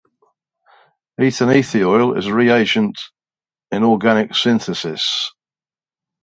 Ethanethiol is a reagent in organic synthesis.